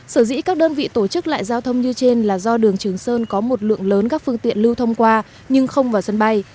sở dĩ các đơn vị tổ chức lại giao thông như trên là do đường trường sơn có một lượng lớn các phương tiện lưu thông qua nhưng không vào sân bay